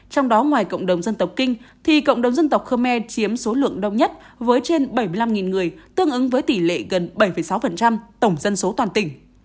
trong đó ngoài cộng đồng dân tộc kinh thì cộng đồng dân tộc khơ me chiếm số lượng đông nhất với trên bảy mươi năm người tương ứng với tỷ lệ gần bảy sáu tổng dân số toàn tỉnh